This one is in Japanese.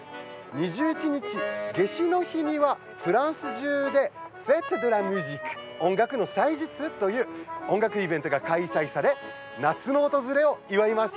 ２１日、夏至の日にはフランス中でフェット・ド・ラ・ミュージック＝音楽の祭日という音楽イベントが開催され夏の訪れを祝います。